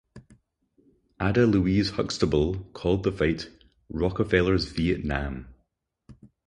Ada Louise Huxtable called the fight "Rockefeller's Vietnam".